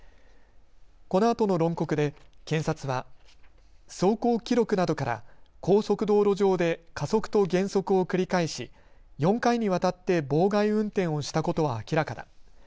このあとの論告で検察は走行記録などから高速道路上で加速と減速を繰り返し４回にわたって妨害運転をしたことは明らかだ。